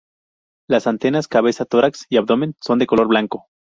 Las antenas, cabeza tórax y abdomen son de color blanco.